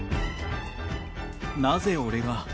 なぜ俺が？